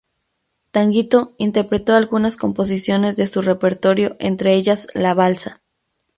Tanguito interpretó algunas composiciones de su repertorio, entre ellas "La balsa".